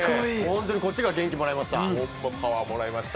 こっちが元気もらいました。